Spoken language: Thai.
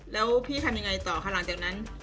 แล้วพี่ทำยังไงต่อคะหลังจากนั้น